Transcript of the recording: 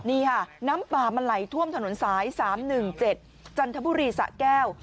นี่ค่ะน้ำป่ามันไหลท่วมถนนสาย๓๑๗จันทบุรีสะแก้ว